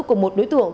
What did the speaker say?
của một đối tượng